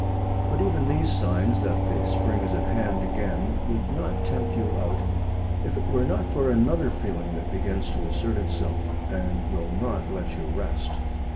But even these signs that the spring is at hand again would not tempt you out if it were not for another feeling that begins to assert itself, and will not let you rest.